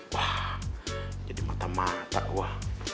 wah jadi mata mata wah